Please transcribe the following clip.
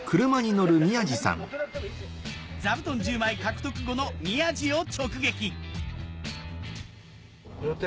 座布団１０枚獲得後の宮治を直撃